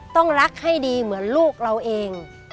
ต้องรักให้ดีเหมือนลูกเราเอง